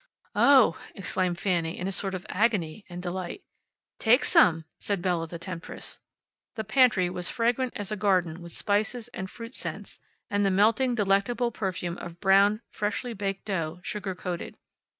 "Oh!" exclaimed Fanny in a sort of agony and delight. "Take some," said Bella, the temptress. The pantry was fragrant as a garden with spices, and fruit scents, and the melting, delectable perfume of brown, freshly baked dough, sugar coated.